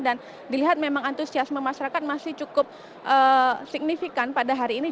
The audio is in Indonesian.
dilihat memang antusiasme masyarakat masih cukup signifikan pada hari ini